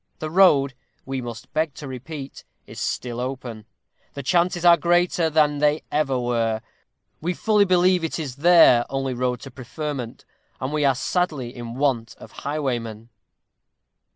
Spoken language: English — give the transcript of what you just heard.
The road, we must beg to repeat, is still open; the chances are greater than they ever were; we fully believe it is their only road to preferment, and we are sadly in want of highwaymen!